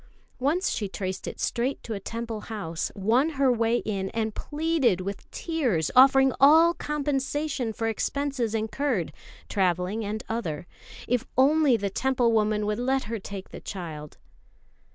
Once she traced it straight to a Temple house, won her way in, and pleaded with tears, offering all compensation for expenses incurred (travelling and other) if only the Temple woman would let her take the child.